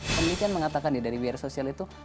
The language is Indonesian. pemiliknya mengatakan ya dari wira sosial itu